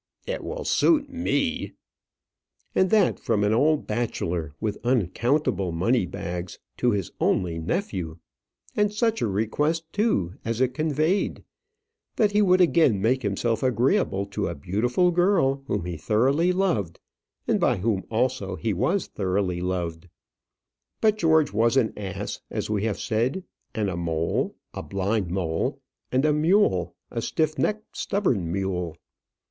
"It will suit me!" And that from an old bachelor, with uncountable money bags, to his only nephew! and such a request, too, as it conveyed that he would again make himself agreeable to a beautiful girl whom he thoroughly loved, and by whom also he was thoroughly loved! But George was an ass, as we have said; and a mole, a blind mole; and a mule, a stiff necked, stubborn mule.